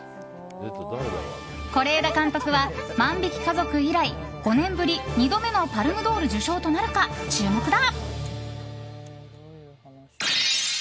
是枝監督は「万引き家族」以来５年ぶり、２度目のパルム・ドール受賞となるか注目だ。